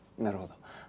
なるほど。